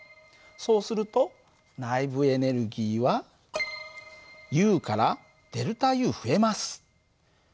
そうすると内部エネルギーはＵからΔＵ増えます。